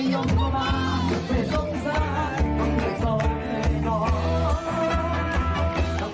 เฟียวขนาดไหนไปดู